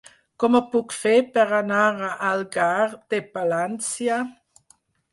Com ho puc fer per anar a Algar de Palància?